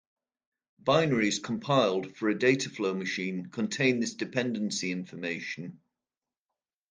Binaries compiled for a dataflow machine contain this dependency information.